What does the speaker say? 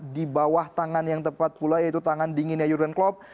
di bawah tangan yang tepat pula yaitu tangan dinginnya jurgen klopp